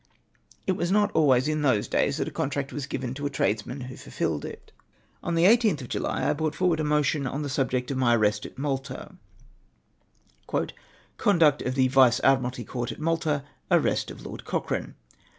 It was not always m those days that a contract w^as given to the tradesman who fuh fiUed it. On the 18th of Jidy I brought forward a motion on the subject of my ai'rest at Malta :—" Conduct of the Vice Adiniralty Court at Malta. — Arrest of Lord Cochrane.